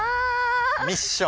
ミッション。